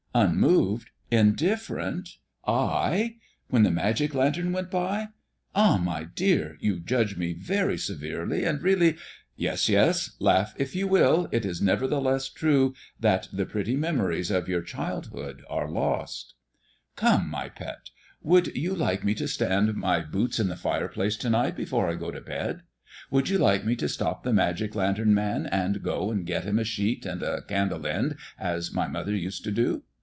"Unmoved? Indifferent? I? When the magic lantern went by! Ah, my dear! you judge me very severely, and really " "Yes, yes; laugh if you will. It is nevertheless true that the pretty memories of your childhood are lost." "Come, my pet, would you like me to stand my boots in the fireplace to night before I go to bed? Would you like me to stop the magic lantern man and go and get him a sheet and a candle end, as my mother used to do?